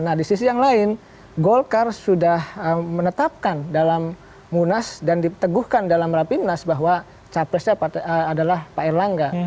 nah di sisi yang lain golkar sudah menetapkan dalam munas dan diteguhkan dalam rapimnas bahwa capresnya adalah pak erlangga